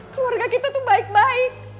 keluarga kita tuh baik baik